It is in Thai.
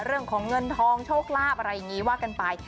เรื่องของเงินทองโชคลาภอะไรอย่างนี้ว่ากันไป